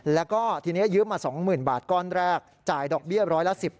แล้วก็ทีนี้ยืมมา๒๐๐๐บาทก้อนแรกจ่ายดอกเบี้ยร้อยละ๑๐